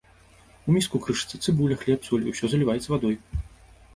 У міску крышыцца цыбуля, хлеб, соль і ўсё заліваецца вадой.